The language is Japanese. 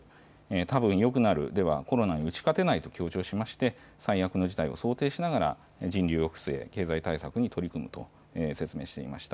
たぶんよくなるでは、コロナに打ち勝てないと強調しまして、最悪の事態を想定しながら、人流抑制、経済対策に取り組むと説明していました。